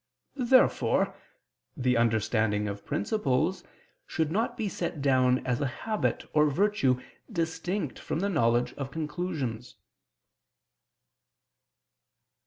Therefore the understanding of principles should not be set down as a habit or virtue distinct from the knowledge of conclusions.